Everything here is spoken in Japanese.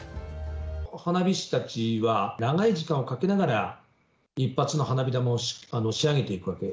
花火師たちは、長い時間をかけながら、一発の花火玉を仕上げていくわけ。